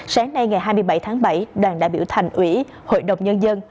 sáng nay ngày hai mươi bảy tháng bảy đoàn đại biểu thành ủy hội đồng nhân dân